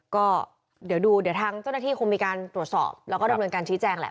ก็เดี๋ยวดูเดี๋ยวทางเจ้าหน้าที่คงมีการตรวจสอบแล้วก็ดำเนินการชี้แจงแหละ